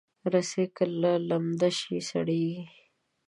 رسۍ که لمده شي، سړېږي.